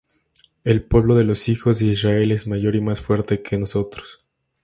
El pueblo de los hijos de Israel es mayor y más fuerte que nosotros.